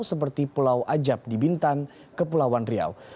seperti pulau ajab di bintan kepulauan riau